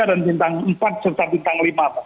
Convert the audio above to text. dan bintang empat serta bintang lima